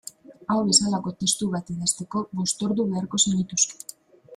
Hau bezalako testu bat idazteko bost ordu beharko zenituzke.